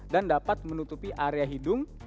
dan dapat menutupi area hidung